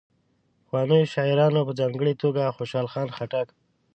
پخوانیو شاعرانو په ځانګړي توګه خوشال خان خټک.